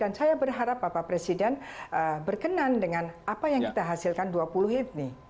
dan saya berharap bapak presiden berkenan dengan apa yang kita hasilkan dua puluh hitni